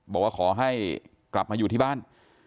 บอกว่าขอให้กลับมาอยู่ที่บ้าน